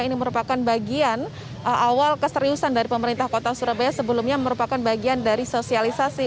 ini merupakan bagian awal keseriusan dari pemerintah kota surabaya sebelumnya merupakan bagian dari sosialisasi